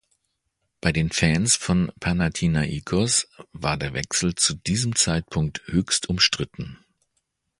Bei den Fans von Panathinaikos war der Wechsel zu diesem Zeitpunkt höchst umstritten.